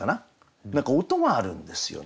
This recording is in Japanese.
何か音があるんですよ。